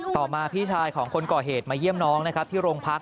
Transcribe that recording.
ต่อมาพี่ชายของคนเกาะเหตุมาเยี่ยมน้องที่รงพัก